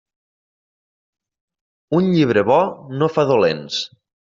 Un llibre bo no fa dolents.